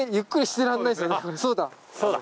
そうだ。